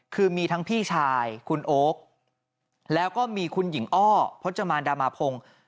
คือมีทั้งพี่ชายคุณโอ๊คแล้วก็มีคุณหญิงอ้อพจมานดามาพงศ์